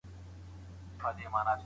که پوهه شریکه سي نو کچه یې لوړیږي.